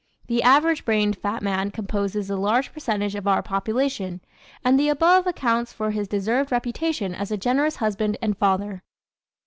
The average brained fat man composes a large percentage of our population and the above accounts for his deserved reputation as a generous husband and father.